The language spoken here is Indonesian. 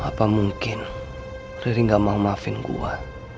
apa mungkin riri gak mau maafin gue